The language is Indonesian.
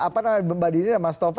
apa namanya mbak dini dan mas tova